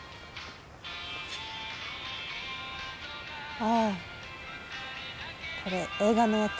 ああこれ映画のやつ。